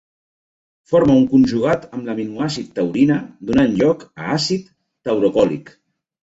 Forma un conjugat amb l'aminoàcid taurina, donant lloc a àcid taurocòlic.